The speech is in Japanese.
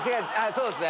そうっすね。